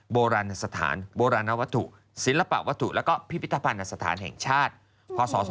โบราณสถานโบราณวัตถุศิลปะวัตถุและพิพิธภัณฑ์สถานแห่งชาติพศ๒๕๖